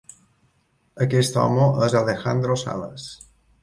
Aquest home és "Alejandro Salas".